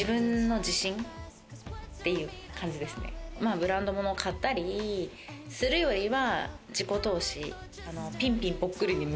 ブランド物を買ったりするよりは。